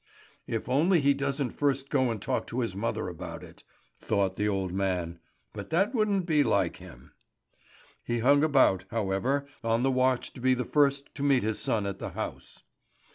"If only he doesn't first go and talk to his mother about it," thought the old man. "But that wouldn't be like him." He hung about, however, on the watch to be the first to meet his son at the house.